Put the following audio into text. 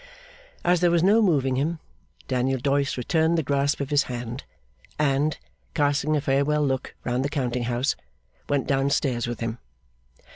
As there was no moving him, Daniel Doyce returned the grasp of his hand, and, casting a farewell look round the counting house, went down stairs with him.